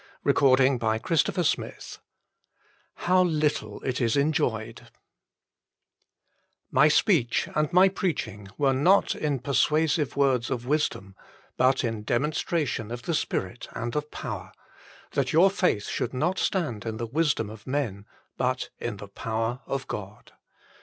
THE FULL BLESSING OF PENTECOST IV little it is enjogetr "My speech and my preaching were not in persuasive words of wisdom, but in demonstration of the Spirit and of power : that your faith should not stand in the wisdom of men, but in the power of God."